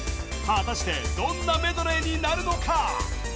果たしてどんなメドレーになるのか！？